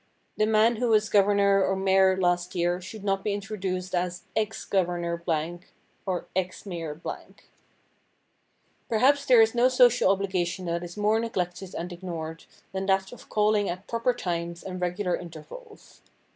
The man who was governor or mayor last year should not be introduced as "Ex governor ——," "Ex mayor ——."Perhaps there is no social obligation that is more neglected and ignored than that of calling at proper times and regular intervals.